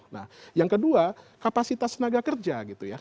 nah yang kedua kapasitas tenaga kerja gitu ya